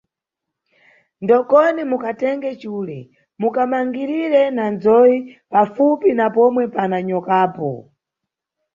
Ndokoni mukatenge cule, mukamangirire na ndzoyi pafupi na pomwe pana nyokapo.